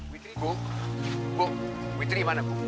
witri bu bu witri dimana bu